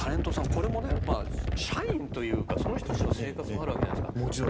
これも社員というかその人たちの生活もあるわけじゃないですか。